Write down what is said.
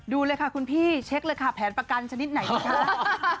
ดูเลยค่ะคุณพี่เช็คเลยค่ะแผนประกันชนิดไหนดีคะ